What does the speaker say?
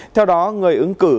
theo đó người ứng cử